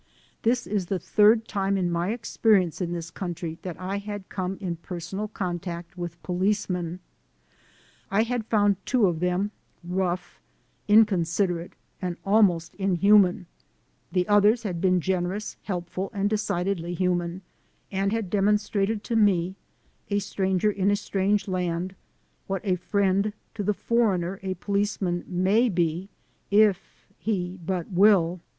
This was the third time in my experience in this country that I had come in personal contact with policemen. I had found 270 THE SOUL OF AN IMMIGEANT two of them rough, inconsiderate and almost in human; the others had been generous, helpful and decidedly human, and had demonstrated to me, a stranger in a strange land, what a friend to the "foreigner" a policeman may be if he but will.